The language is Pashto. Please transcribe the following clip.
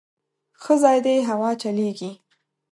_ښه ځای دی، هوا چلېږي.